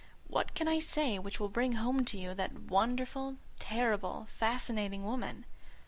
What can I say which will bring home to you that wonderful, terrible, fascinating woman?